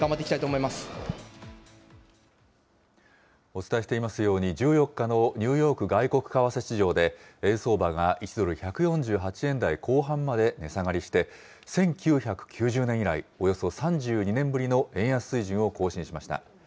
お伝えしていますように、１４日のニューヨーク外国為替市場で、円相場が１ドル１４８円台後半まで値下がりして、１９９０年以来、およそ３２年ぶりの円安水準を更新しました。